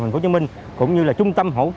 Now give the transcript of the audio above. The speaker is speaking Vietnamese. thành phố hồ chí minh cũng như trung tâm hỗ trợ